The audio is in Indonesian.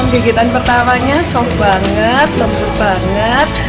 gigitan pertamanya soft banget lembut banget